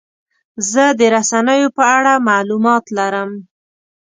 زه د رسنیو په اړه معلومات لرم.